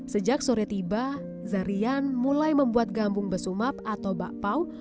sejak sore tiba zarian mulai membuat gambung besumap atau bakpao